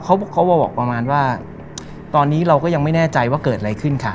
เขาเขามาบอกประมาณว่าตอนนี้เราก็ยังไม่แน่ใจว่าเกิดอะไรขึ้นค่ะ